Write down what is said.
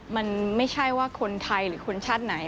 มันไม่ใช่ว่าคนไทยหรือคนชาติไหน